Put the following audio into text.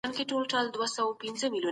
استاد مخکې خبري کړې وې.